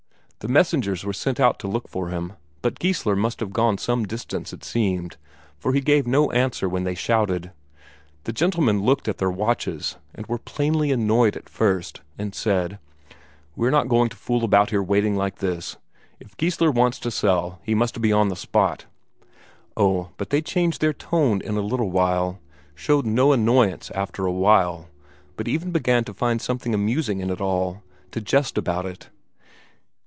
The messengers were sent out to look for him, but Geissler must have gone some distance, it seemed, for he gave no answer when they shouted. The gentlemen looked at their watches, and were plainly annoyed at first, and said: "We're not going to fool about here waiting like this. If Geissler wants to sell, he must be on the spot." Oh, but they changed their tone in a little while; showed no annoyance after a while, but even began to find something amusing in it all, to jest about it.